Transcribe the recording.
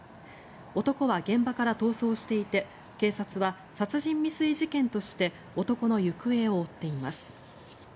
男は現場から逃走していて警察は殺人未遂事件として男の行方を追っています。